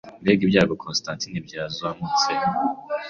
Mbega ibyago Constantine byazamutse